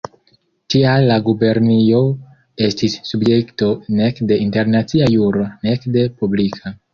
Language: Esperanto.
Tial la gubernio estis subjekto nek de internacia juro nek de publika.